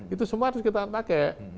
itu semua harus kita pakai